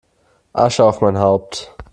Asche auf mein Haupt!